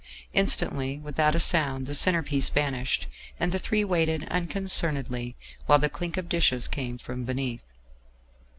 Instantly, without a sound, the centre piece vanished, and the three waited unconcernedly while the clink of dishes came from beneath.